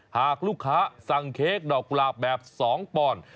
หากลูกค้าสั่งเค้กดอกกุหลาบแบบ๒ปอนด์